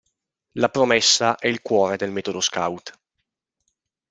La promessa è il cuore del metodo scout.